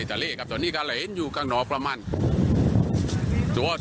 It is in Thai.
แต่มันค่อนข้างน่าสุด